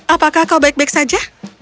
apakah kau baik baik saja